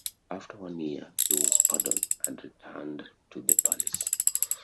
After one year he was pardoned, and returned to the palace.